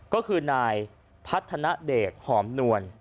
ก็คือนายพัฒนาเดชหอมนวล